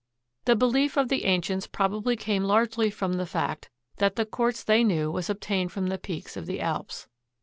The belief of the ancients probably came largely from the fact that the quartz they knew was obtained from the peaks of the Alps.